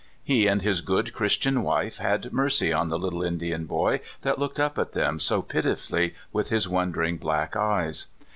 He and his good Christian wife had mercy on the little Indian boy that looked up at them so pitifully with his wondering black eyes.